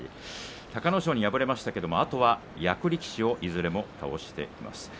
隆の勝に敗れましたがあとは役力士はいずれも倒しています。